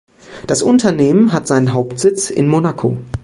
Das Unternehmen hat seinen Hauptsitz in Monaco.